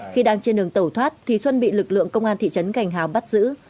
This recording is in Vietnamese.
khi đang trên đường tẩu thoát thì xuân bị lực lượng công an thị trấn gành hào bắt giữ